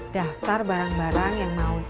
daftar barang barang yang mau